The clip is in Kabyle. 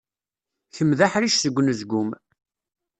Kemm d aḥric seg unezgum.